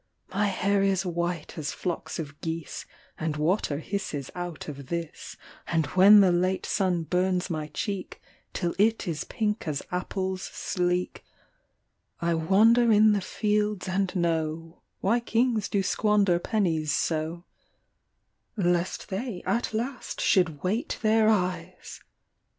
My hair is white as flocks of geese And water hisses out of this And when the late sun burns my cheek Till it is pink as apples sleek I wander in the fields and know Why kings do squander pennies so — Lest they at last should weight their eyes